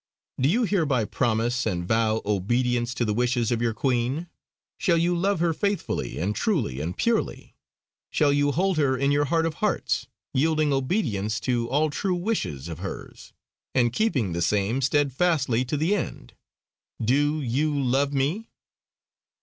Do you hereby promise and vow obedience to the wishes of your Queen? Shall you love her faithfully and truly and purely? Shall you hold her in your heart of hearts, yielding obedience to all true wishes of hers, and keeping the same steadfastly to the end? Do you love me?"